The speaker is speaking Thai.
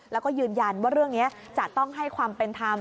แล้วก็ยืนยันว่าเรื่องนี้จะต้องให้ความเป็นธรรม